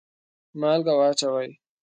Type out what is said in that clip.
مالګه واچوئ